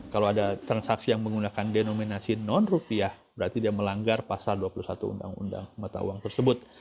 kalau ada transaksi yang menggunakan denominasi non rupiah berarti dia melanggar pasal dua puluh satu undang undang mata uang tersebut